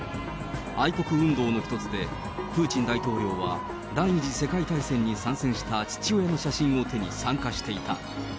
愛国運動の一つで、プーチン大統領は、第２次世界大戦に参戦した父親の写真を手に参加していた。